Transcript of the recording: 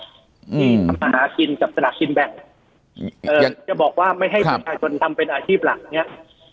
ที่ทำมาหากินกับสลากกินแบ่งเอ่อจะบอกว่าไม่ให้ประชาชนทำเป็นอาชีพหลักเนี้ย